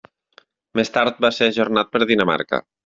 Més tard va ser ajornat per Dinamarca.